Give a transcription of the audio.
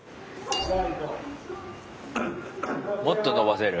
もっと延ばせる？